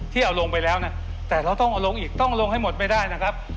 ที่เอาลงไปแล้วนะแต่เราต้องเอาลงอีกต้องลงให้หมดไม่ได้นะครับ